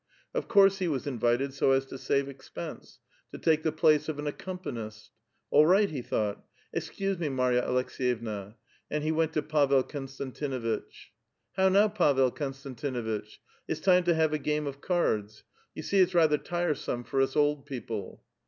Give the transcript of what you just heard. Of couree he was inviu»d so as to save expense — to take the place of an aeeonipanist {tapj>er), '* All right," he tiiought. ''Excuse me, ^Iarya Alckseyevna," and he went to Pavel Koustan tinuitch. '•How now, Pavel Konstantinuilch ; it*s time to have a game of cards. You see it's rather tiresome for us old peoi>le